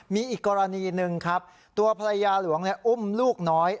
มีอีกกรณีหนึ่งครับตัวภรรยาหลวงอุ้มลูกน้อย